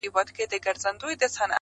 دا ارزانه افغانان چي سره ګران سي,